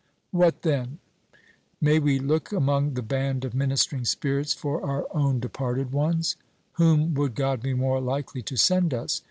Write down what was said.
What then? May we look among the band of ministering spirits for our own departed ones? Whom would God be more likely to send us?